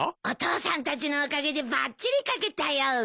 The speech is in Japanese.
お父さんたちのおかげでばっちり描けたよ。